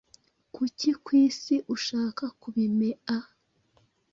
Kuki kwisi ushaka kubimea?